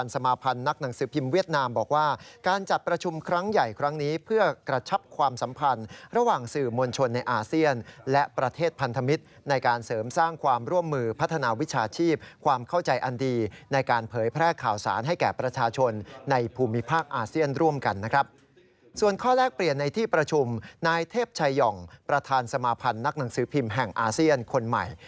ส่วนข้อแลกเปลี่ยนในที่ประชุมนายเทพชายห่องประธานสมาพันธ์นักหนังสือพิมพ์แห่งอาเซียนคนใหม่